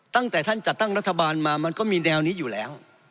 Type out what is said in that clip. ตั้งแต่ท่านจัดตั้งรัฐบาลมามันก็มีแนวนี้อยู่แล้ว